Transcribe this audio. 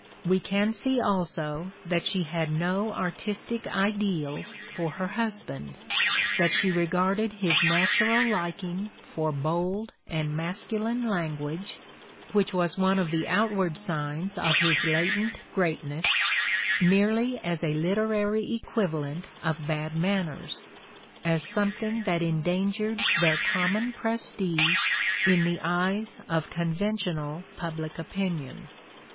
We can see also that she had no artistic ideal for her husband, that she re garded his natural liking for bold and masculine lan guage, which was one of the outward signs of his latent greatness, merely as a literary equivalent of bad man ners, as something that endangered their common pres tige in the eyes of conventional public opinion.